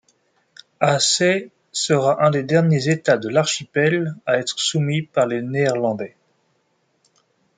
Aceh sera un des derniers États de l'archipel à être soumis par les Néerlandais.